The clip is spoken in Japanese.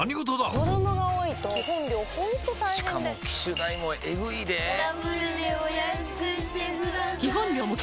子供が多いと基本料ほんと大変でしかも機種代もエグいでぇダブルでお安くしてください